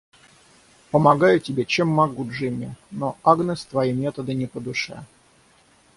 Помогаю тебе, чем могу, Джимми, но Агнес твои методы не по душе.